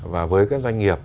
và với các doanh nghiệp